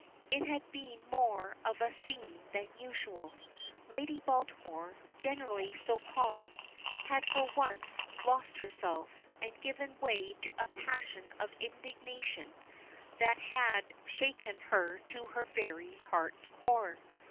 It had been more of a scene than usual. Lady Baltimore, generally so calm, had for once lost herself, and given way to a passion of indignation that had shaken her to her very heart's core.